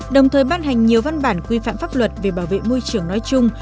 đồng thời ban hành nhiều văn bản quy phạm pháp luật về bảo vệ môi trường nói chung